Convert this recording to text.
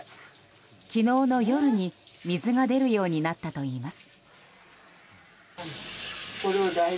昨日の夜に、水が出るようになったといいます。